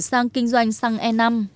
sang kinh doanh xăng e năm